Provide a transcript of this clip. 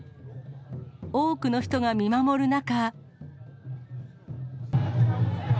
多くの人が見守る中。